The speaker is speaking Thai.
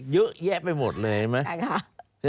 เยอะแยะไปหมดเลยไหม